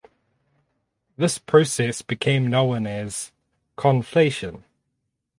This process became known as "conflation".